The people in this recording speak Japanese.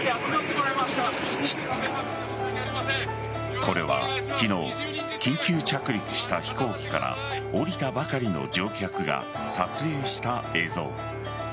これは昨日、緊急着陸した飛行機から降りたばかりの乗客が撮影した映像。